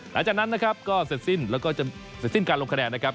หลังจากนั้นนะครับก็เสร็จสิ้นแล้วก็จะเสร็จสิ้นการลงคะแนนนะครับ